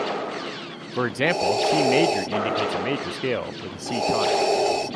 For example, C major indicates a major scale with a C tonic.